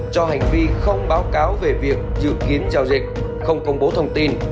cho hành vi không báo cáo về việc dự kiến giao dịch không công bố thông tin